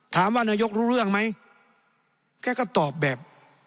นายกรู้เรื่องไหมแกก็ตอบแบบ